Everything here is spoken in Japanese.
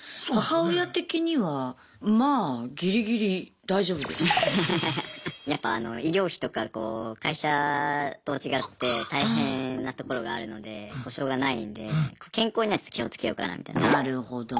母親的にはまあやっぱ医療費とかこう会社と違って大変なところがあるので保障がないんで健康にはちょっと気をつけようかなみたいな。